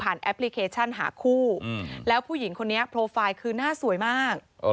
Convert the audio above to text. แอปพลิเคชันหาคู่แล้วผู้หญิงคนนี้โปรไฟล์คือหน้าสวยมาก